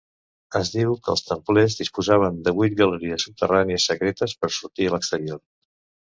Es diu que els templers disposaven de vuit galeries subterrànies secretes per sortir a l'exterior.